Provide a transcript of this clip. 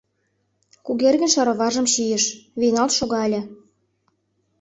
— Кугергин шароваржым чийыш, вийналт шогале.